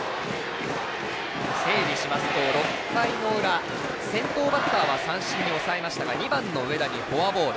整理しますと６回の裏先頭バッターは三振に抑えましたが２番の上田にフォアボール。